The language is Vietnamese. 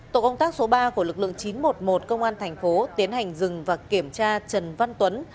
tổ công tác số ba của lực lượng chín trăm một mươi một công an thành phố tiến hành dừng và kiểm tra trần văn tuấn